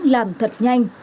làm thật nhanh